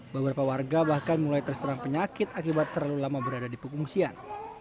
beberapa warga bahkan mulai terserang penyakit akibat terlalu lama berada di pengungsian